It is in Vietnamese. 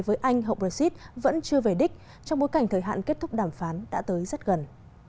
với anh hậu brexit vẫn chưa về đích trong bối cảnh thời hạn kết thúc đàm phán đã tới rất gần